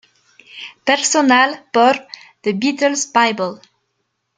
Personal por The Beatles Bible